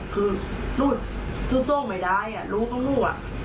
คือตูดโทรงใหม่ได้รู้ตรงนู้น